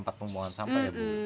iya udah terbiasa